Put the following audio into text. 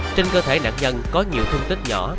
trên cơ thể nạn nhân có nhiều thương tích nhỏ